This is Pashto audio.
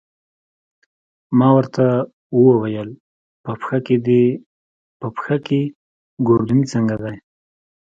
ما ورته وویل: په پښه کې، ګوردیني څنګه دی؟